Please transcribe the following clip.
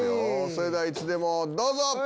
それではいつでもどうぞ！